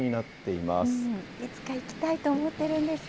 いつか行きたいと思ってるんです。